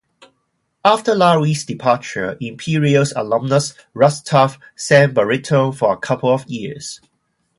After Lowry's departure, Imperials alumnus Russ Taff sang baritone for a couple of years.